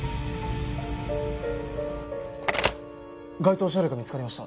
該当車両が見つかりました。